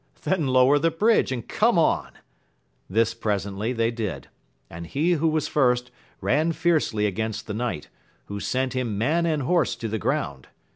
— Then lower the bridge, and come on ! This presently they did, and he who was first, ran fiercely against the knight, who sent him man and horse to the ground.